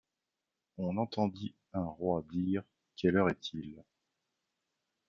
On entendit un roi dire : Quelle heure est-il ?